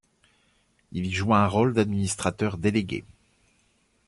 Il y joua un rôle d'administrateur délégué.